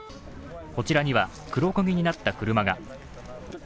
こちらには黒焦げになった車が。